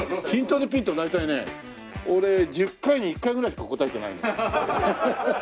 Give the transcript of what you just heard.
『ヒントでピント』大体ね俺１０回に１回ぐらいしか答えてないの。